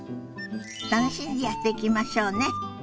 楽しんでやっていきましょうね。